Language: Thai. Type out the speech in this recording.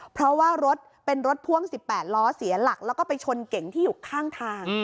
เพราะว่ารถเป็นรถพ่วง๑๘ล้อเสียหลักแล้วก็ไปชนเก่งที่อยู่ข้างทาง